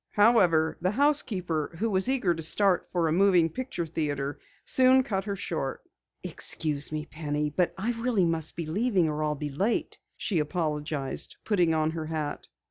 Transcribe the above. However, the housekeeper, who was eager to start for a moving picture theatre, soon cut her short. "Excuse me, Penny, but I really must be leaving or I'll be late," she apologized, putting on her hat.